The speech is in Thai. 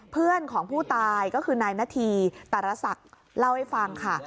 เพื่อนของผู้ตายก็คือนายนาธีแต่ละศักดิ์เล่าให้ฟังค่ะ